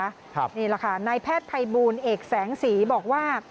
นี่แหละค่ะนายแพทย์ภัยบูลเอกแสงสีบอกว่า